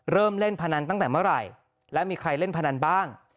เล่นพนันตั้งแต่เมื่อไหร่และมีใครเล่นพนันบ้าง